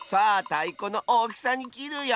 たいこのおおきさにきるよ！